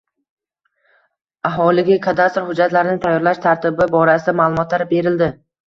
Aholiga kadastr hujjatlarini tayyorlash tartibi borasida ma'lumotlar berildi.